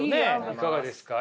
いかがですか？